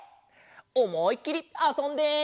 おもいっきりあそんで。